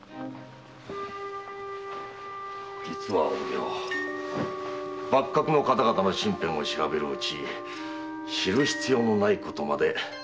実は幕閣の方々の身辺を調べるうち知る必要のないことまで耳にしまして。